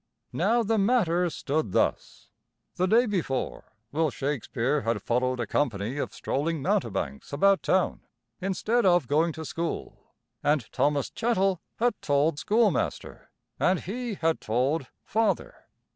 Now the matter stood thus. The day before, Will Shakespeare had followed a company of strolling mountebanks about town instead of going to school. And Thomas Chettle had told Schoolmaster, and he had told Father.